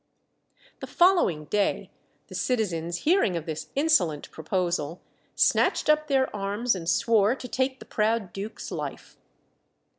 The following day, the citizens, hearing of this insolent proposal, snatched up their arms, and swore to take the proud duke's life.